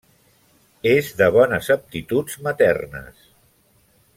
És de bones aptituds maternes.